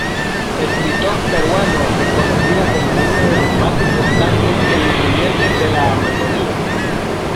Escritor peruano reconocido como uno de los más importantes e influyentes de la Amazonia.